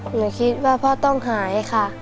หนูคิดว่าพ่อต้องหายค่ะ